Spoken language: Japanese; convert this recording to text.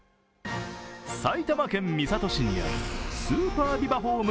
埼玉県三郷市にあるスーパービバホーム